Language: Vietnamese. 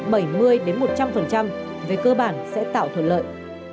với cơ bản sẽ tạo thuận lợi